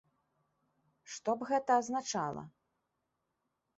Што б гэта азначала?